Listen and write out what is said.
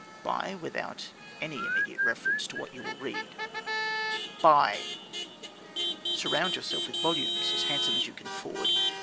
Buy without any immediate reference to what you will read. Buy! Surround yourself with volumes, as handsome as you can afford.